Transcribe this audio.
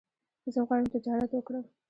زه غواړم تجارت وکړم